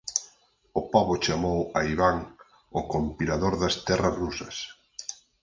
O pobo chamou a Iván "o compilador das terras rusas".